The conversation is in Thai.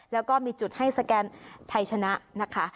แล้วก็มีจุดให้สแกนไทยชนะนะคะ